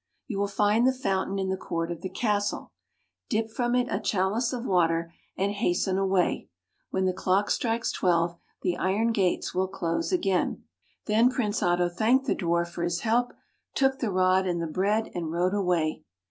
You will find the fountain in the court of the castle. Dip from it a chalice of water and hasten [ 102 ] THE HEALING WATER away. When the clock strikes twelve, the iron gates will close again.'' Then Prince Otto thanked the Dwarf for his help, took the rod and the bread and rode away.